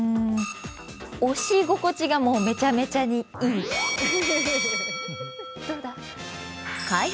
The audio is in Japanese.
押し心地がめちゃめちゃにいい。